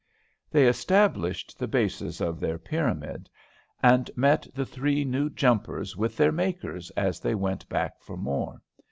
They established the basis of their pyramid, and met the three new jumpers with their makers as they went back for more.